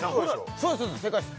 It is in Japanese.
そうです正解です